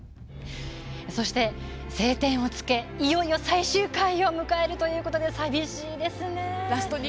そして「青天を衝け」いよいよ最終回を迎えるということでさみしいですね。